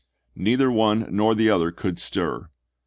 Neither one nor the other could stir.